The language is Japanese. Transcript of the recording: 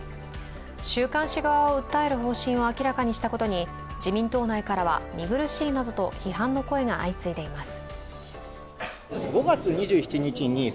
週刊誌側を訴える方針を明らかにしたことに自民党内からは見苦しいなどと批判の声が相次いでいます。